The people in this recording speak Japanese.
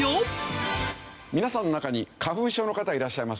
皆さんの中に花粉症の方はいらっしゃいます？